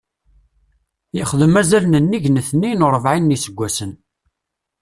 Yexdem azal n nnig n tnayen u rebɛin n yiseggasen.